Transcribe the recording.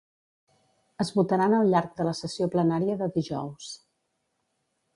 Es votaran al llarg de la sessió plenària de dijous.